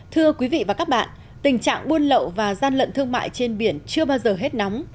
thưa quý vị và các bạn tình trạng buôn lậu và gian lận thương mại trên biển chưa bao giờ hết nóng